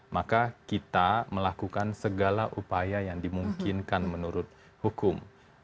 maka kita melakukan segala upaya yang dimungkinkan menurut hukum